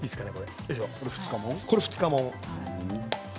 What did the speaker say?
これは２日もの。